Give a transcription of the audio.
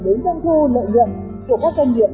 đến dân thu lợi lượng của các doanh nghiệp